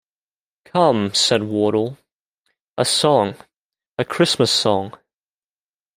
‘Come,’ said Wardle, ‘a song — a Christmas song!'